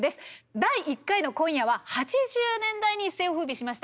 第１回の今夜は８０年代に一世をふうびしました。